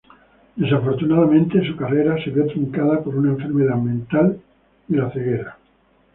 Desafortunadamente, su carrera se vio truncada por una enfermedad mental y la ceguera.